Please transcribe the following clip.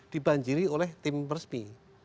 dibanjiri oleh tim persmi